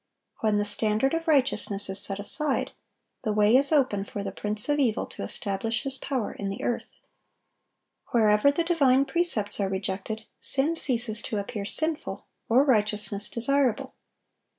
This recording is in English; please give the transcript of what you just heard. When the standard of righteousness is set aside, the way is open for the prince of evil to establish his power in the earth. Wherever the divine precepts are rejected, sin ceases to appear sinful, or righteousness desirable.